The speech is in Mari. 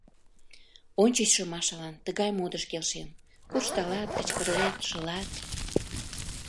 Ончычшо Машалан тыгай модыш келшен: куржталат, кычкырлет, шылат.